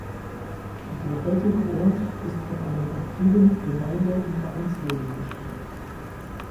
Der heutige Ort ist von einem aktiven Gemeinde- und Vereinsleben bestimmt.